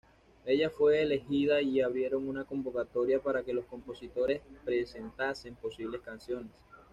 Ella fue elegida, y abrieron una convocatoria para que los compositores presentasen posibles canciones.